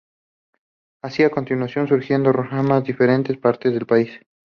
Así continuaron surgiendo ramas en diferentes partes del país.